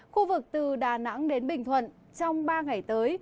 khu vực từ đà nẵng đến bình thuận trong ba ngày tới